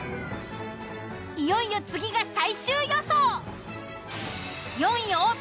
いよいよ次が最終予想。